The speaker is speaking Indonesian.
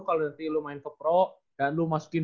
kalo nanti lu main ke pro dan lu masukin